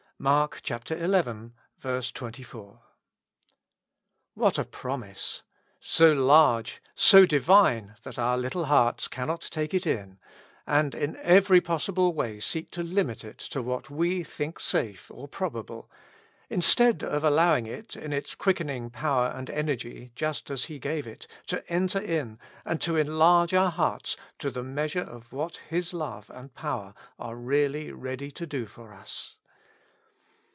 — MARK xi. 24. WHAT a promise ! so large, so Divine, that our little hearts cannot take it in, and in every possible way seek to limit it to what we think safe or probable ; instead of allowing it, in its quickening power and energy, just as He gave it, to enter in, and to enlarge our hearts to the measure of what His love and power are really ready to do for us.